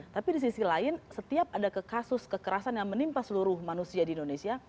tapi di sisi lain setiap ada kasus kekerasan yang menimpa seluruh manusia di indonesia